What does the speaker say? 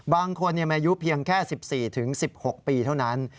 บางคนมีอายุเพียงแค่๑๔๑๖ปีเท่านั้น